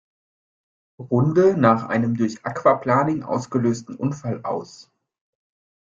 Runde nach einem durch Aquaplaning ausgelösten Unfall aus.